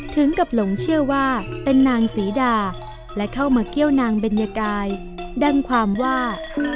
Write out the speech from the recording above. ถึงกับหลงเชื่อว่าเป็นนางศรีดาและเข้ามาเกี้ยวนางเบญกายดังความว่า